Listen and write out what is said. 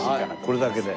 これだけで。